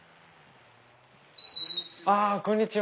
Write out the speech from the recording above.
あこんにちは。